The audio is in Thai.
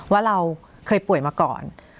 ว่าเราเคยป่วยมาก่อน